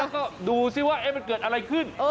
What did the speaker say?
แล้วก็ดูซิว่ามันเกิดอะไรขึ้น